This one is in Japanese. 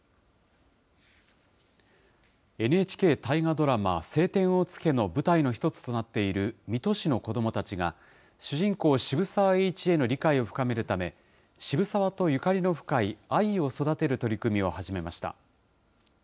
ＮＨＫ大河ドラマ、青天を衝けの舞台の１つとなっている水戸市の子どもたちが、主人公、渋沢栄一への理解を深めるため、渋沢とゆかりの深い藍を育てる取り組みを始めました。